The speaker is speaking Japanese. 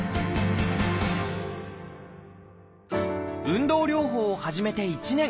運動療法を始めて１年。